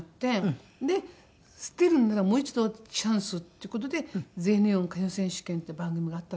で捨てるんならもう一度チャンスをって事で『全日本歌謡選手権』って番組があったんですね。